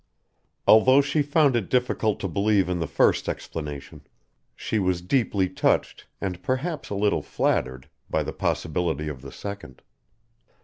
Although she found it difficult to believe in the first explanation she was deeply touched, and perhaps a little flattered, by the possibility of the second.